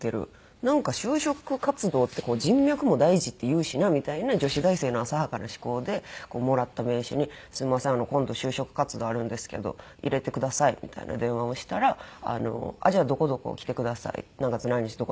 なんか就職活動って人脈も大事って言うしなみたいな女子大生の浅はかな思考でもらった名刺に「すみません今度就職活動あるんですけど入れてください」みたいな電話をしたら「じゃあどこどこ来てください何月何日どこどこ来てください」